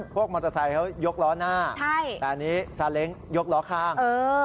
มอเตอร์ไซค์เขายกล้อหน้าแต่อันนี้ซาเล้งยกล้อข้าง